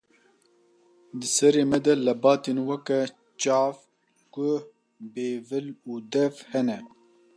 Di serê me de lebatên weke: çav, guh, bêvil û dev hene.